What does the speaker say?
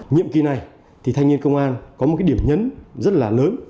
nhiệm kỳ này thì thanh niên công an có một cái điểm nhấn rất là lớn